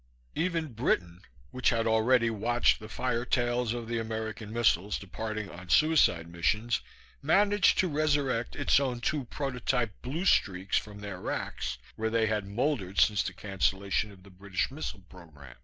Even Britain, which had already watched the fire tails of the American missiles departing on suicide missions, managed to resurrect its own two prototype Blue Streaks from their racks, where they had moldered since the cancellation of the British missile program.